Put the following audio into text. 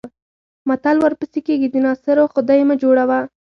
متل ورپسې کېږي د ناصرو خدۍ مه جوړوه.